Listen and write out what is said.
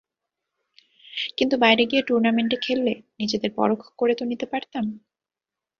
কিন্তু বাইরে গিয়ে টুর্নামেন্টে খেললে নিজেদের পরখ করে তো নিতে পারতাম।